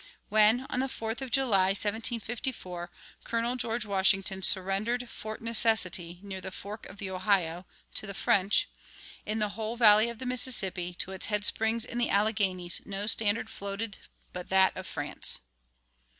When, on the 4th of July, 1754, Colonel George Washington surrendered Fort Necessity, near the fork of the Ohio, to the French, "in the whole valley of the Mississippi, to its headsprings in the Alleghanies, no standard floated but that of France."